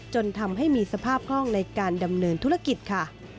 จนทำให้มีสภาพคล่องในการดำเนินธุรกิจค่ะ